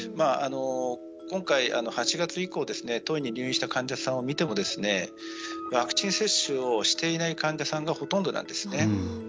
今回、８月以降当院に入院した患者さんを見てもワクチン接種をしていない患者さんがほとんどなんですね。